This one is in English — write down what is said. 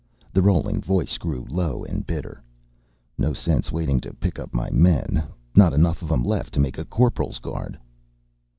The rolling voice grew low and bitter. "No sense waiting to pick up my men. Not enough of 'em left to make a corporal's guard."